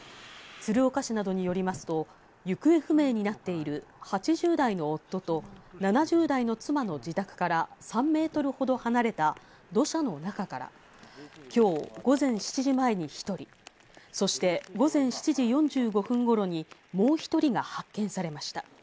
鶴岡市などによりますと、行方不明になっている８０代の夫と７０代の妻の自宅から３メートルほど離れた土砂の中から、きょう午前７時前に１人、そして午前７時４５分ごろにもう１人が発見されました。